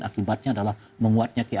akibatnya adalah menguatnya kita